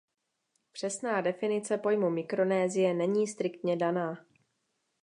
Přesná definice pojmu Mikronésie není striktně daná.